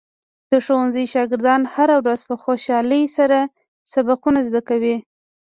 د ښوونځي شاګردان هره ورځ په خوشحالۍ سره سبقونه زده کوي.